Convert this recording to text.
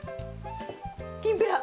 きんぴら。